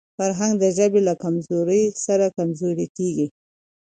فرهنګ د ژبي له کمزورۍ سره کمزورې کېږي.